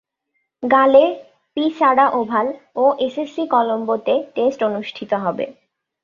গালে, P Sara Oval ও SSC কলম্বোতে টেস্ট অনুষ্ঠিত হবে।